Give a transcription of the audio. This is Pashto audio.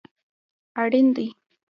اړین دي